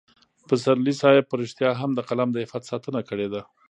پسرلي صاحب په رښتیا هم د قلم د عفت ساتنه کړې ده.